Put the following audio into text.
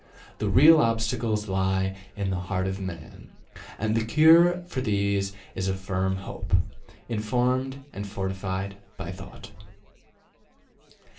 The real obstacles lie in the heart of man, and the cure for these is a firm hope, informed and fortified by thought.